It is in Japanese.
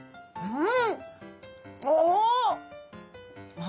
うん！